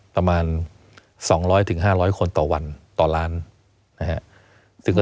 ประมาณ๒๐๐๕๐๐คนต่อวันต่อล้านนะครับ